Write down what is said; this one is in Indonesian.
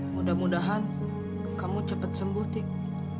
mudah mudahan kamu cepat sembuh tik